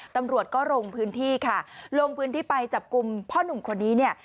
ตำรวจก็ลงพื้นที่ค่ะลงพื้นที่ไปจับกลุ่มพ่อหนุ่มคนนี้เนี่ย